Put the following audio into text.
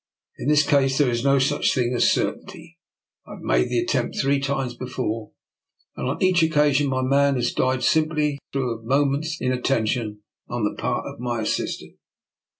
In this case there is no such thing as certainty. I have made the attempt three times before, and on each occasion my man has died simply through a moment's inat tention on the part of my assistant.